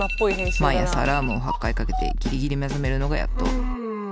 毎朝アラームを８回かけてギリギリ目覚めるのがやっと。